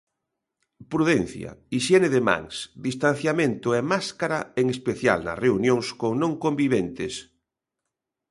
Prudencia, hixiene de mans, distanciamento e máscara, en especial nas reunións con non conviventes.